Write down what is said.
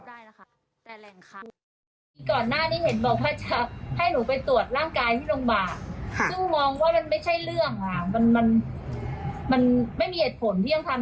ก่อนหน้านี้เฮตบอกว่าอาจจะให้หนูไปตรวจร่างกายที่รงบาล